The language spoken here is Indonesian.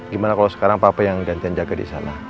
gimana kalau sekarang papa yang gantian jaga di sana